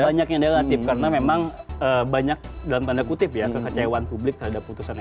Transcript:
banyak yang negatif karena memang banyak dalam tanda kutip ya kekecewaan publik terhadap putusan mk